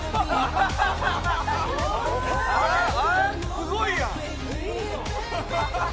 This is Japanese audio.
すごいやん！